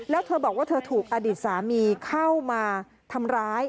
แล้วเธอบอกว่าเธอถูกอดีตสามีเข้ามาทำร้าย